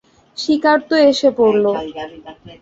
শিকার তো এসে পড়ল।